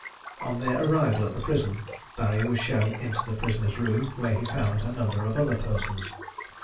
On their arrival at the prison, Barry was shown into the prisoner's room, where he found a number of other persons.